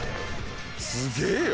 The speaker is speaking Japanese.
すげぇよ。